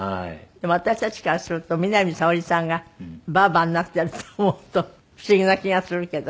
でも私たちからすると南沙織さんがばあばになってると思うと不思議な気がするけど。